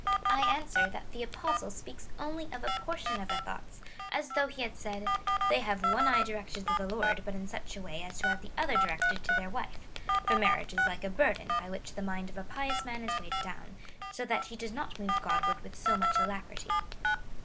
I answer, that the Apostle speaks only of a portion of the thoughts, as though he had said :" They have one eye directed to the Lord, but in such a way as to have the other directed to their wife ; for marriage is like a burden, by which the mind of a pious man is weighed down, so that he does not move God ward with so much alacrity."